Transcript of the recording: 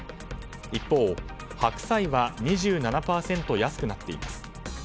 一方、白菜は２７％安くなっています。